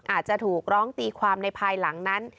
อาจจะถูกร้องตีความในภายหลังนั้น